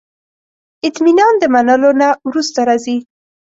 اطمینان د منلو نه وروسته راځي.